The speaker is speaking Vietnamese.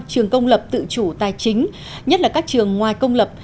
trường công lập tự chủ tài chính nhất là các trường ngoài công lập